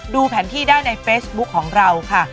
ดูแผนที่ได้ในเฟซบุ๊คของเราค่ะ